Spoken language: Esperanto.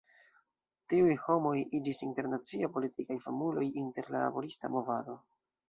Tiuj homoj iĝis internacie politikaj famuloj inter la laborista movado.